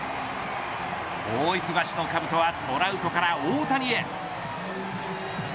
大忙しのかぶとはトラウトから大谷へ。